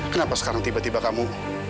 kenapa sekarang tiba tiba kamu